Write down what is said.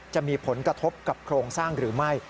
จะมีผลกระทบกับโครงสร้างหรือไม่